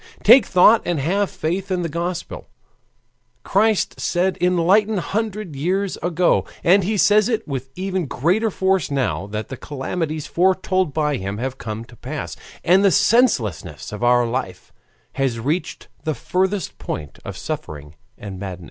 Take thought and have faith in the Gospel, Christ said eighteen hundred years ago, and he says it with even greater force now that the calamities foretold by him have come to pass, and the senselessness of our life has reached the furthest point of suffering and madness.